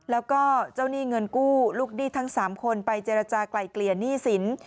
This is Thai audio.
แล้วก็เจ้าหนี้เงินกู้ลูกหนี้ทั้ง๓คนไปเจรจากลายเกลี่ยหนี้สิน